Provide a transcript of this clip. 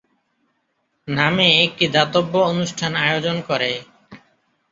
নামে একটি দাতব্য অনুষ্ঠান আয়োজন করে।